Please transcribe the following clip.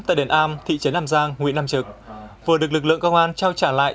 tại đền am thị trấn nam giang nguyễn nam trực vừa được lực lượng công an trao trả lại